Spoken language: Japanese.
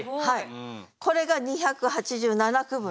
これが２８７句分です。